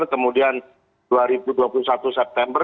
kemudian dua ribu dua puluh satu september